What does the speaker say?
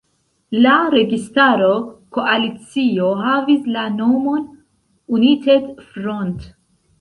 La registaro koalicio havis la nomon United Front.